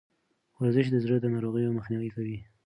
ورزش د زړه د ناروغیو مخنیوی کوي.